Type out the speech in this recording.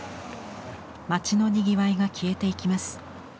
町のにぎわいが消えていきます。